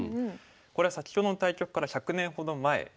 これは先ほどの対局から１００年ほど前ですね。